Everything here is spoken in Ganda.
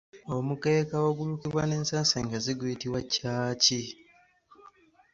Omukeeka ogulukibwa n'ensansa engazi ennyo guyitibwa Ccaaci.